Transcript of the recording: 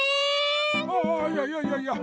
ああいやいやいやいや。